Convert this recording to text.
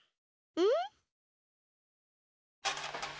うん？